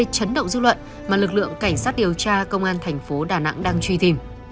chấn động dư luận mà lực lượng cảnh sát điều tra công an thành phố đà nẵng đang truy tìm